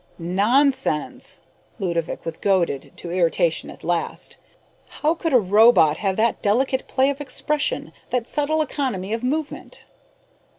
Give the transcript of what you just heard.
"Nonsense!" Ludovick was goaded to irritation at last. "How could a robot have that delicate play of expression, that subtle economy of movement?"